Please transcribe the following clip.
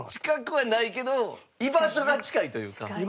近くはないけど居場所が近いというか。